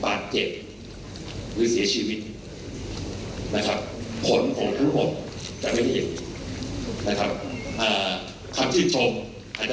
บาดเจ็บหรือเสียชีวิต